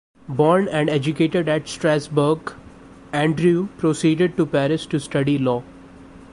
Born and educated at Strasbourg, Andrieux proceeded to Paris to study law.